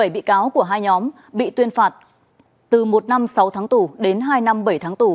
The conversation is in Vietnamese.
một mươi bị cáo của hai nhóm bị tuyên phạt từ một năm sáu tháng tù đến hai năm bảy tháng tù